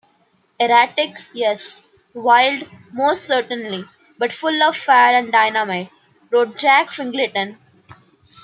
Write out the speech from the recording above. "Erratic, yes; wild, most certainly; but full of fire and dynamite", wrote Jack Fingleton.